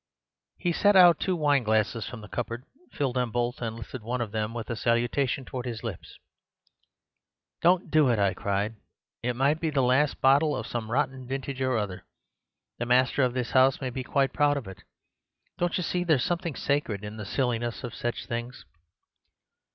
"He set out two wineglasses from the cupboard, filled them both, and lifted one of them with a salutation towards his lips. "'Don't do it!' I cried. 'It might be the last bottle of some rotten vintage or other. The master of this house may be quite proud of it. Don't you see there's something sacred in the silliness of such things?